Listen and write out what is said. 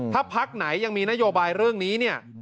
ถ้าภาคไหนยังมีนโยบายเรื่องนี้